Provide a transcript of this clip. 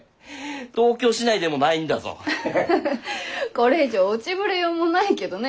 これ以上落ちぶれようもないけどね。